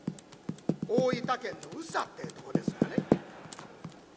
大分県の宇佐ってえとこですがね。